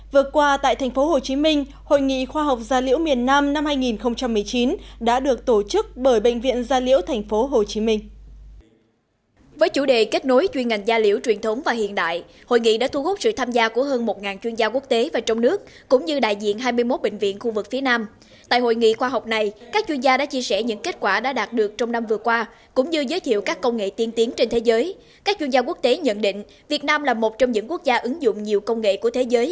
vừa qua tại tp hcm hội nghị khoa học gia liễu miền nam năm hai nghìn một mươi chín đã được tổ chức bởi bệnh viện gia liễu tp hcm